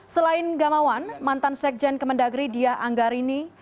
selain gamawan mantan sekjen kementagri dia angga rini